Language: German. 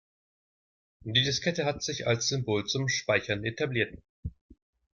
Die Diskette hat sich als Symbol zum Speichern etabliert.